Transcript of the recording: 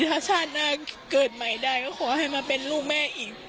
ถ้าชาติหน้าเกิดใหม่ได้ก็ขอให้มาเป็นลูกแม่อีก